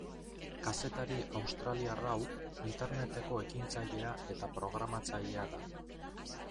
Kazetari australiar hau Interneteko ekintzailea eta programatzailea da.